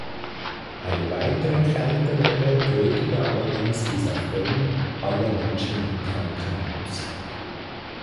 Eine weitere Kältewelle tötete allerdings bis auf Ben alle Menschen im Krankenhaus.